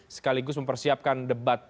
sekaligus mempersiapkan debat